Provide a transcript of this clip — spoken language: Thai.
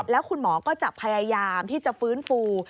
แล้วคุณหมอก็จะพยายามที่จะฟื้นฟู